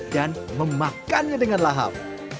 dan memakannya dengan lahap